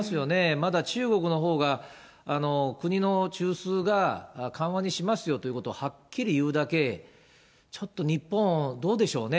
まだ中国のほうが、国の中枢が緩和にしますよということをはっきり言うだけ、ちょっと日本、どうでしょうね。